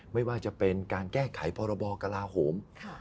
ไม่ว่าจะเป็นการแก้ไขพรบกระลาโหม